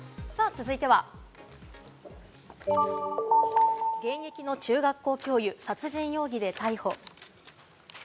続いては、現役の中学校教諭、殺人容疑で逮捕。